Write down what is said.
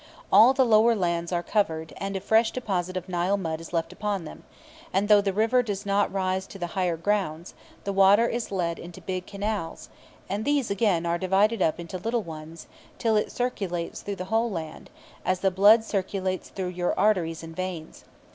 All the lower lands are covered, and a fresh deposit of Nile mud is left upon them; and, though the river does not rise to the higher grounds, the water is led into big canals, and these, again, are divided up into little ones, till it circulates through the whole land, as the blood circulates through your arteries and veins.